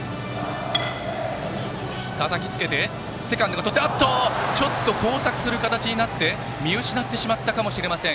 セカンドとファースト、ちょっと交錯する形になって見失ってしまったかもしれません。